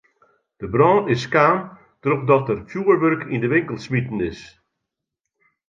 De brân is kaam trochdat der fjoerwurk yn de winkel smiten is.